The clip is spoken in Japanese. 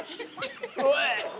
おい！